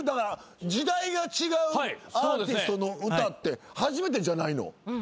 時代が違うアーティストの歌って初めてじゃないの？